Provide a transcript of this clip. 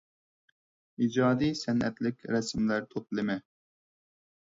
ئىجادىي سەنئەتلىك رەسىملەر توپلىمى.